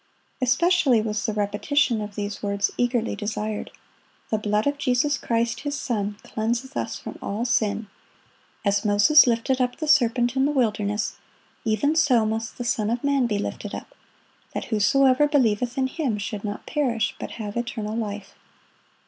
Especially was the repetition of these words eagerly desired: "The blood of Jesus Christ His Son cleanseth us from all sin."(102) "As Moses lifted up the serpent in the wilderness, even so must the Son of man be lifted up: that whosoever believeth in Him should not perish, but have eternal life."